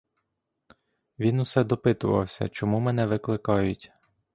Він усе допитувався, чому мене викликають.